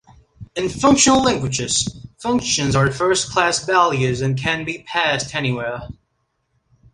In functional languages, functions are first-class values and can be passed anywhere.